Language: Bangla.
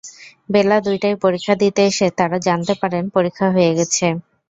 বেলা দুইটায় পরীক্ষা দিতে এসে তাঁরা জানতে পারেন পরীক্ষা হয়ে গেছে।